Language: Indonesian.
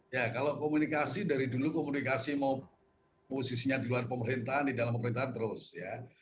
ya kalau komunikasi dari dulu komunikasi mau posisinya di luar pemerintahan di dalam pemerintahan terus ya